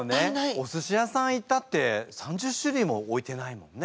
おすし屋さん行ったって３０種類も置いてないもんね。